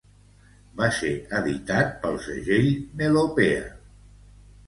Va ser editat pel segell Melopea.